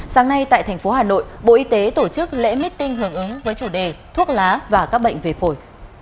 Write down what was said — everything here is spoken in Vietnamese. sáng nay tại thành phố hà nội bộ y tế tổ chức lễ meeting hưởng ứng với chủ đề thuốc lá và các bệnh về phổi